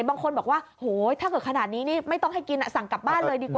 บางคนบอกว่าโหถ้าเกิดขนาดนี้นี่ไม่ต้องให้กินสั่งกลับบ้านเลยดีกว่า